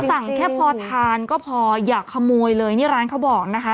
แค่พอทานก็พออย่าขโมยเลยนี่ร้านเขาบอกนะคะ